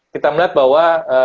kita melihat bahwa